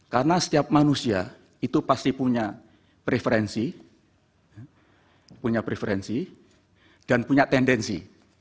karena setiap manusia itu pasti punya preferensi punya preferensi dan punya tendensi